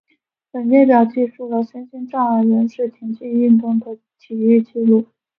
本列表记述了身心障碍人士田径运动的体育纪录。